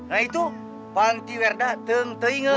nah itu pantiwerda teng tengen